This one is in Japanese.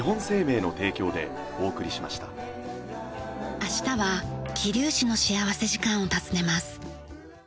明日は桐生市の幸福時間を訪ねます。